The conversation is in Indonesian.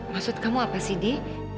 maksud kamu apa sih di